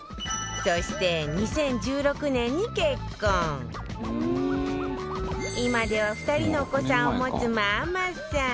そして今では２人のお子さんを持つママさん